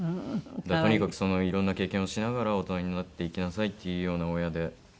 とにかくいろんな経験をしながら大人になっていきなさいっていうような親で。